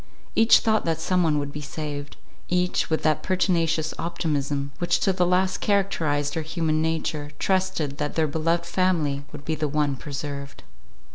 Each thought that someone would be saved; each, with that pertinacious optimism, which to the last characterized our human nature, trusted that their beloved family would be the one preserved.